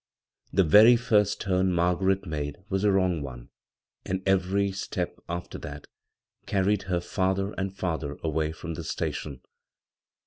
The very first turn Margaret made was a wrong one, and every step after that carried her farther and farther away from the station.